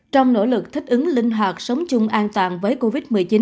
trong nỗ lực thích ứng linh hoạt sống chung an toàn với covid một mươi chín